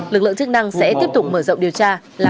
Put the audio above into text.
lực lượng chức năng sẽ tiếp tục mở rộng điều tra